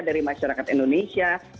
dari masyarakat indonesia